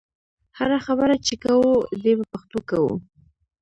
هره خبره چې کوو دې په پښتو کوو.